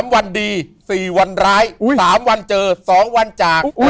๓วันดี๔วันร้าย๓วันเจอ๒วันจาก